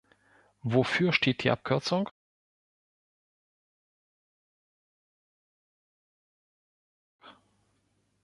Wofür steht die Abkürzung?